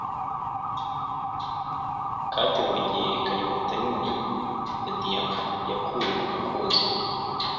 kate burigihe yerekana impeta nini ya diyama yakuye kumukunzi we